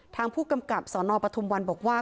ทางผู้กำกับสนปทุมวันบอกว่า